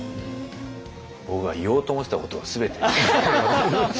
僕が言おうと思ってたことを全て。